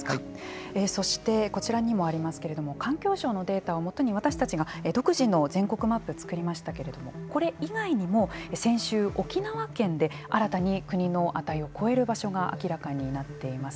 そしてこちらにもありますけれども環境省のデータをもとに私たちが独自の全国マップを作りましたけれどもこれ以外にも先週、沖縄県で新たに国の値を超える場所が明らかになっています。